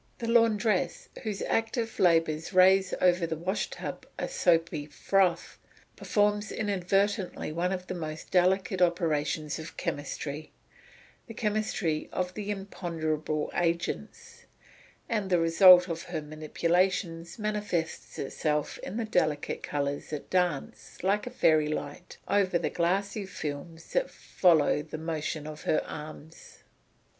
The laundress, whose active labours raise over the wash tub a soapy froth, performs inadvertently one of the most delicate operations of chemistry the chemistry of the imponderable agents and the result of her manipulations manifests itself in the delicate colours that dance like a fairy light over the glassy films that follow the motion of her arms.